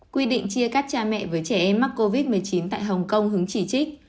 quy định chia cắt cha mẹ với trẻ em mắc covid một mươi chín tại hồng kông hướng chỉ trích